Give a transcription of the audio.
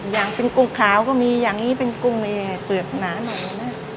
ยังเป็นกุ้งขาวก็มีอย่างงี้เป็นกุ้งเกลือบหนาหน่อยนะ